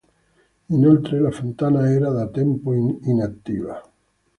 Inoltre la fontana era da tempo inattiva.